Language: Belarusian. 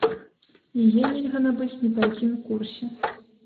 Яе нельга набыць ні па якім курсе.